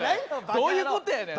どういうことやねん。